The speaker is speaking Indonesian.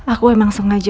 aku emang sengaja ke sana